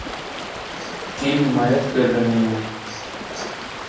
کی حمایت کر رہے ہیں